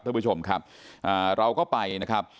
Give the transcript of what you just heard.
ท่านผู้ชมครับเราก็ไปนะครับ